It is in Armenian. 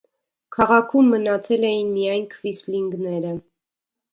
Քաղաքում մնացել էին միայն քվիսլինգները։